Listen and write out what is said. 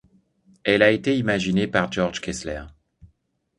Elle a été imaginée George Kessler.